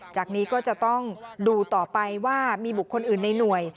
จากนี้ก็จะต้องดูต่อไปว่ามีบุคคลอื่นในหน่วย